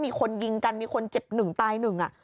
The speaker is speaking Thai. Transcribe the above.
มีคนยิงกันมีคนเจ็บหนึ่งตายหนึ่ง